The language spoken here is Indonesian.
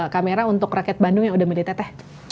kamera untuk rakyat bandung yang udah milih teteh